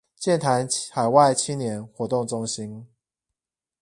劍潭海外青年活動中心